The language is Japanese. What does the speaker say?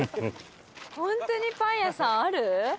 ホントにパン屋さんある？